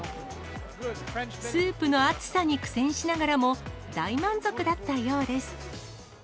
スープの熱さに苦戦しながらも、大満足だったようです。